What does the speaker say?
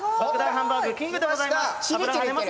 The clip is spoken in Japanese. ハンバーグキングでございます。